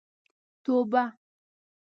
توبه.